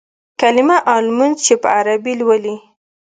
کلیمه او لمونځ چې په عربي لولې.